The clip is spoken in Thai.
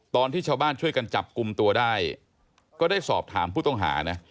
ตอนที่ชาวบ้านช่วยกันจับกลุ่มตัวได้ก็ได้สอบถามผู้ต้องหานะ